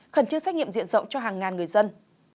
khẩn trương xét nghiệm diện rộng cho hàng ngàn người dân